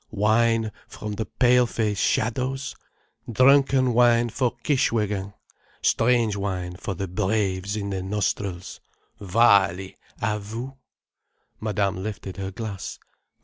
Wine from the pale face shadows, drunken wine for Kishwégin, strange wine for the braves in their nostrils, Vaali, à vous." Madame lifted her glass.